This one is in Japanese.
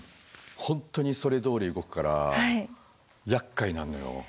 本当にそれどおり動くからやっかいなのよ